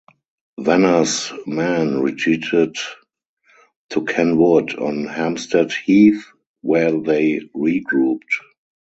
Venner’s men retreated to Ken Wood on Hampstead Heath where they regrouped.